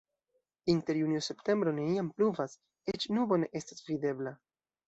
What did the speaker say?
Inter junio-septembro neniam pluvas, eĉ nubo ne estas videbla.